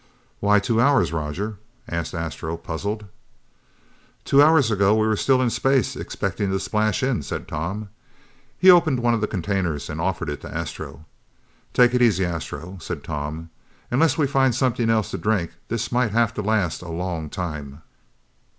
"Why two hours, Roger?" asked Astro, puzzled. "Two hours ago we were still in space expecting to splash in," said Tom. He opened one of the containers and offered it to Astro. "Take it easy, Astro," said Tom. "Unless we find something else to drink, this might have to last a long time."